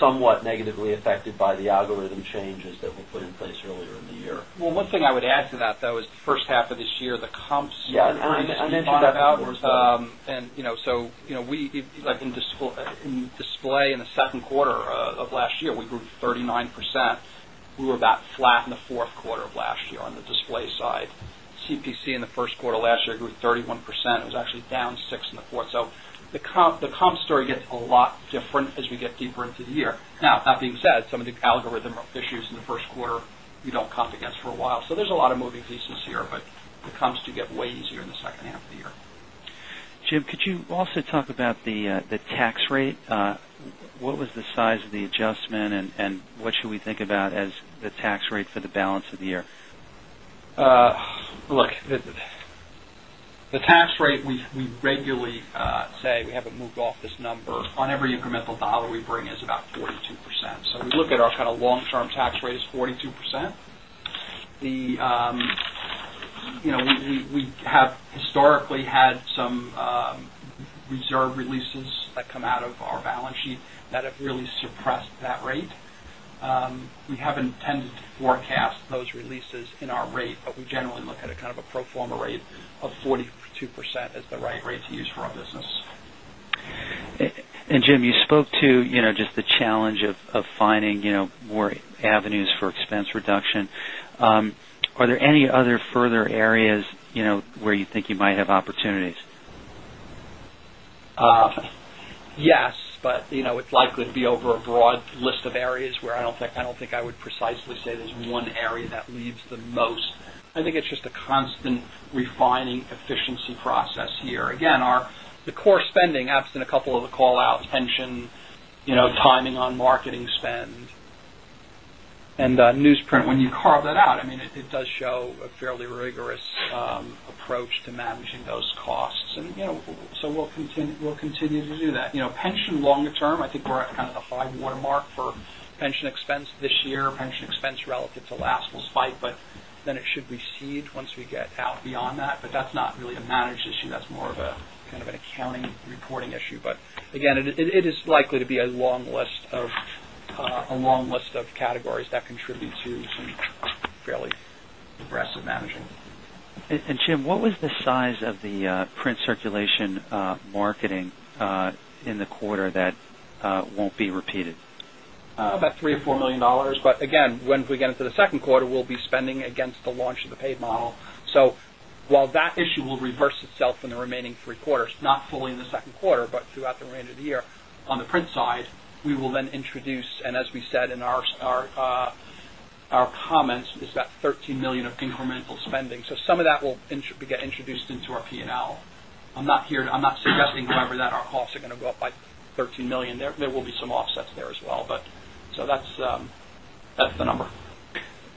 somewhat negatively affected by the algorithm changes that were put in place earlier in the year. Well, one thing I would add to that, though, is the first half of this year, the comps. In display in the second quarter of last year, we grew 39%. We were about flat in the fourth quarter of last year on the display side. CPC in the first quarter of last year grew 31%, it was actually down 6% in the fourth. The comp story gets a lot different as we get deeper into the year. Now, that being said, some of the algorithm issues in the first quarter, we don't comp against for a while. There's a lot of moving pieces here. The comps do get way easier in the second half of the year. Jim, could you also talk about the tax rate? What was the size of the adjustment, and what should we think about as the tax rate for the balance of the year? Look, the tax rate, we regularly say we haven't moved off this number. On every incremental dollar we bring, it's about 42%. We look at our kind of long term tax rate as 42%. We have historically had some reserve releases that come out of our balance sheet that have really suppressed that rate. We haven't tended to forecast those releases in our rate, but we generally look at a kind of a pro forma rate of 42% as the right rate to use for our business. Jim, you spoke to just the challenge of finding more avenues for expense reduction. Are there any other further areas where you think you might have opportunities? Yes, it's likely to be over a broad list of areas where I don't think I would precisely say there's one area that leaves the most. I think it's just a constant refining efficiency process here. Again, the core spending, absent a couple of the call-outs, pension, timing on marketing spend, and newsprint. When you carve that out, it does show a fairly rigorous approach to managing those costs. We'll continue to do that. Pension longer term, I think we're at kind of the high watermark for pension expense this year. Pension expense relative to last will spike, but then it should recede once we get out beyond that. That's not really a managed issue. That's more of a kind of an accounting reporting issue. Again, it is likely to be a long list of categories that contribute to some fairly aggressive management. Jim, what was the size of the print circulation marketing in the quarter that won't be repeated? About $3 million or $4 million. Again, when we get into the second quarter, we'll be spending against the launch of the paid model. While that issue will reverse itself in the remaining three quarters, not fully in the second quarter, but throughout the remainder of the year on the print side, we will then introduce, and as we said in our comments, is that $13 million of incremental spending. Some of that will get introduced into our P&L. I'm not suggesting, however, that our costs are going to go up by $13 million. There will be some offsets there as well. That's the number.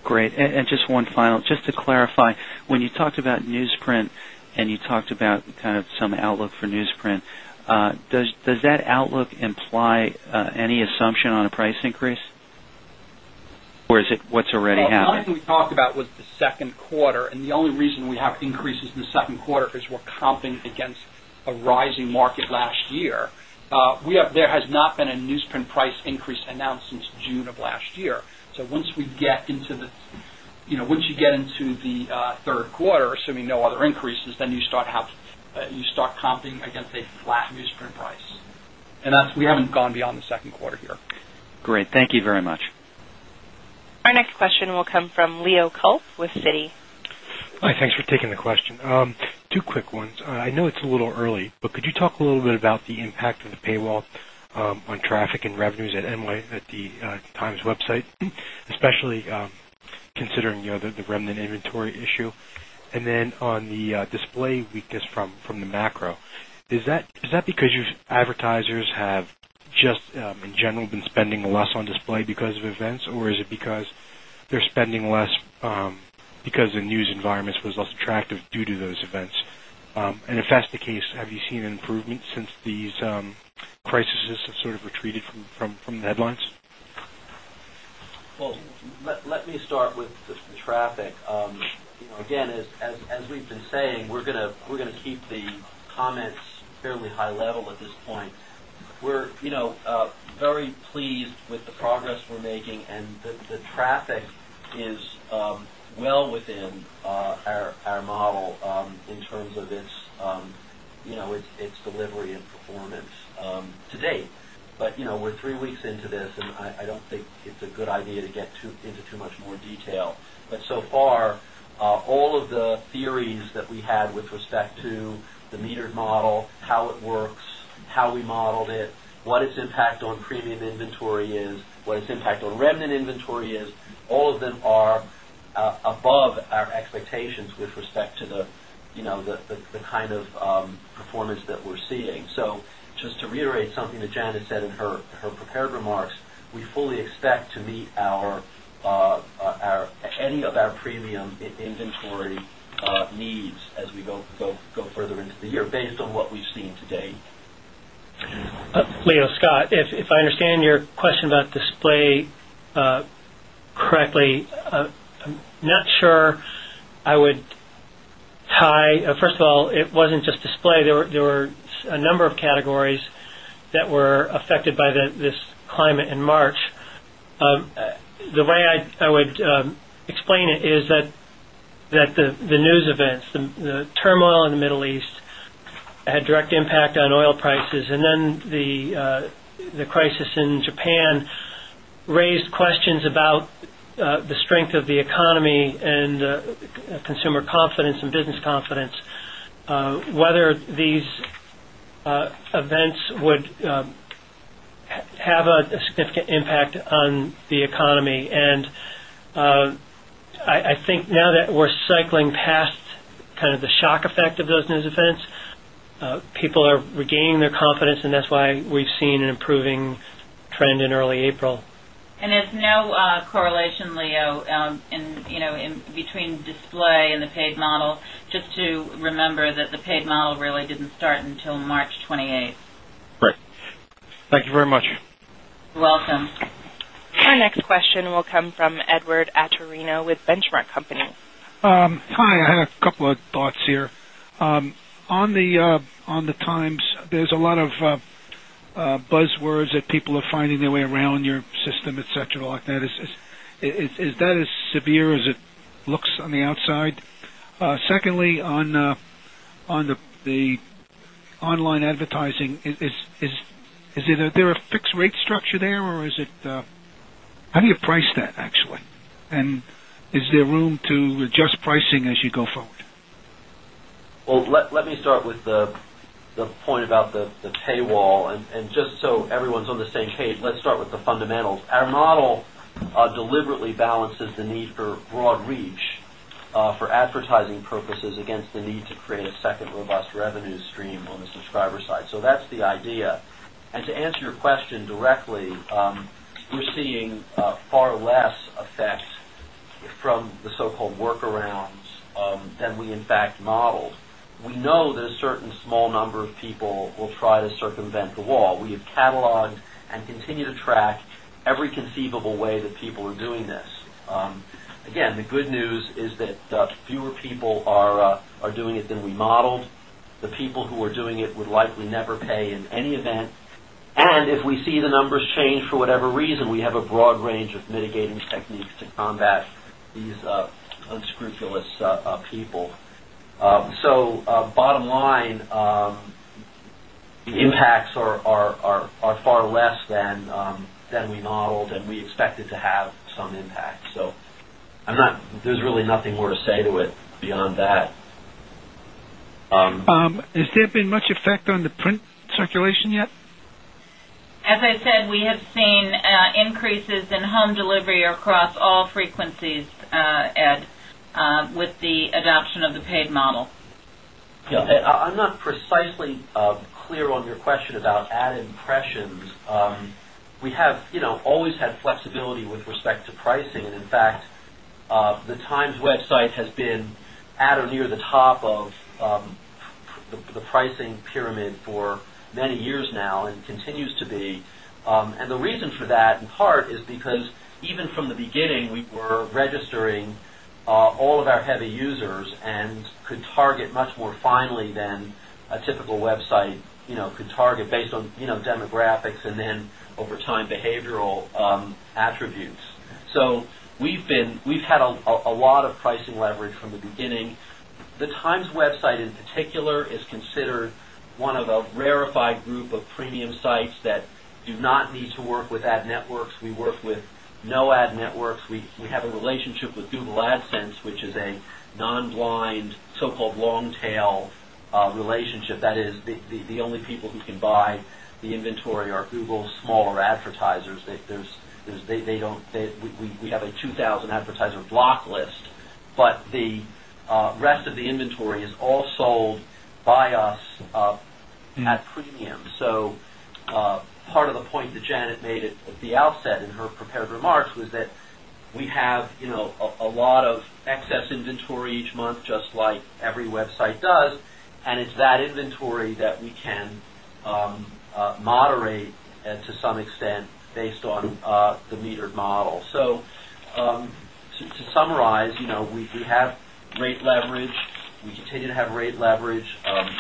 Great. Just one final, just to clarify, when you talked about newsprint and you talked about kind of some outlook for newsprint, does that outlook imply any assumption on a price increase? Or is it what's already happened? The only thing we talked about was the second quarter, and the only reason we have increases in the second quarter is we're comping against a rising market last year. There has not been a newsprint price increase announced since June of last year. Once you get into the third quarter, assuming no other increases, then you start comping against a flat newsprint price. We haven't gone beyond the second quarter here. Great. Thank you very much. Our next question will come from Leo Kulp with Citi. Hi. Thanks for taking the question. Two quick ones. I know it's a little early, but could you talk a little bit about the impact of the paywall on traffic and revenues at the Times website, especially considering the remnant inventory issue? Then on the display weakness from the macro, is that because your advertisers have just in general been spending less on display because of events? Or is it because they're spending less because the news environment was less attractive due to those events. If that's the case, have you seen an improvement since these crises have sort of retreated from the headlines? Well, let me start with just the traffic. Again, as we've been saying, we're going to keep the comments fairly high level at this point. We're very pleased with the progress we're making, and the traffic is well within our model in terms of its delivery and performance to date. We're three weeks into this, and I don't think it's a good idea to get into too much more detail. So far, all of the theories that we had with respect to the metered model, how it works, how we modeled it, what its impact on premium inventory is, what its impact on remnant inventory is, all of them are above our expectations with respect to the kind of performance that we're seeing. Just to reiterate something that Janet said in her prepared remarks, we fully expect to meet any of our premium inventory needs as we go further into the year based on what we've seen to date. Leo, Scott, if I understand your question about display correctly, I'm not sure I would. First of all, it wasn't just display. There were a number of categories that were affected by this climate in March. The way I would explain it is that the news events, the turmoil in the Middle East, had a direct impact on oil prices, and then the crisis in Japan raised questions about the strength of the economy and consumer confidence and business confidence, whether these events would have a significant impact on the economy. I think now that we're cycling past the shock effect of those news events, people are regaining their confidence, and that's why we've seen an improving trend in early April. There's no correlation, Leo, between display and the paid model. Just to remember that the paid model really didn't start until March 28th. Right. Thank you very much. You're welcome. Our next question will come from Edward Atorino with Benchmark Company. Hi. I had a couple of thoughts here. On The Times, there's a lot of buzzwords that people are finding their way around your system, et cetera, like that. Is that as severe as it looks on the outside? Secondly, on the online advertising, is there a fixed rate structure there? How do you price that, actually? Is there room to adjust pricing as you go forward? Well, let me start with the point about the paywall. Just so everyone's on the same page, let's start with the fundamentals. Our model deliberately balances the need for broad reach for advertising purposes against the need to create a second robust revenue stream on the subscriber side. That's the idea. To answer your question directly, we're seeing far less effect from the so-called workarounds than we in fact modeled. We know that a certain small number of people will try to circumvent the wall. We have cataloged and continue to track every conceivable way that people are doing this. Again, the good news is that fewer people are doing it than we modeled. The people who are doing it would likely never pay in any event. If we see the numbers change for whatever reason, we have a broad range of mitigating techniques to combat these unscrupulous people. Bottom line, the impacts are far less than we modeled, and we expected to have some impact. There's really nothing more to say to it beyond that. Has there been much effect on the print circulation yet? As I said, we have seen increases in home delivery across all frequencies, Ed, with the adoption of the paid model. Yeah. Ed, I'm not precisely clear on your question about ad impressions. We have always had flexibility with respect to pricing. In fact, The Times website has been at or near the top of the pricing pyramid for many years now and continues to be. The reason for that, in part, is because even from the beginning, we were registering all of our heavy users and could target much more finely than a typical website could target based on demographics and then, over time, behavioral attributes. We've had a lot of pricing leverage from the beginning. The Times website in particular is considered one of a rarefied group of premium sites that do not need to work with ad networks. We work with no ad networks. We have a relationship with Google AdSense, which is a non-blind, so-called long-tail relationship. That is, the only people who can buy the inventory are Google's smaller advertisers. We have a 2,000 advertiser block list. But the rest of the inventory is all sold by us at premium. Part of the point that Janet made at the outset in her prepared remarks was that we have a lot of excess inventory each month, just like every website does, and it's that inventory that we can moderate to some extent based on the metered model. To summarize, we have rate leverage. We continue to have rate leverage.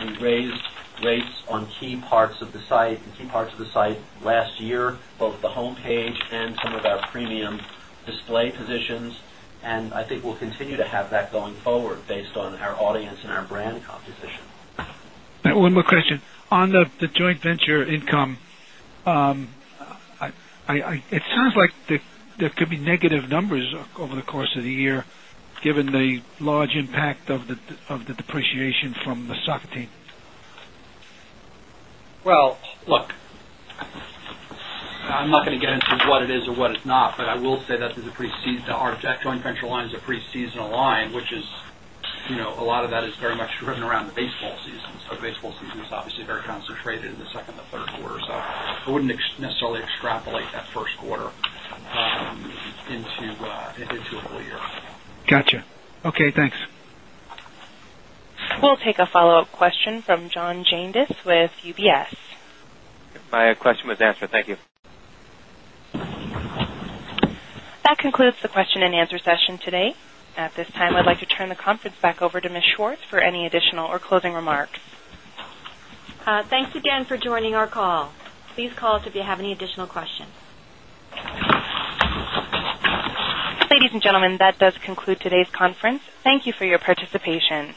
We raised rates on key parts of the site last year, both the home page and some of our premium display positions. I think we'll continue to have that going forward based on our audience and our brand composition. One more question. On the joint venture income, it sounds like there could be negative numbers over the course of the year given the large impact of the depreciation from the soccer team. Well, look, I'm not going to get into what it is or what it's not, but I will say that our joint venture line is a pre-seasonal line, which is, a lot of that is very much driven around the baseball season. The baseball season is obviously very concentrated in the second or third quarter, so I wouldn't necessarily extrapolate that first quarter into a full year. Got you. Okay, thanks. We'll take a follow-up question from John Janedis with UBS. My question was answered. Thank you. That concludes the question and answer session today. At this time, I'd like to turn the conference back over to Ms. Schwartz for any additional or closing remarks. Thanks again for joining our call. Please call us if you have any additional questions. Ladies and gentlemen, that does conclude today's conference. Thank you for your participation.